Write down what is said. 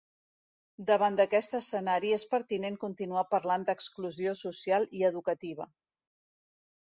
Davant d'aquest escenari és pertinent continuar parlant d'exclusió social i educativa.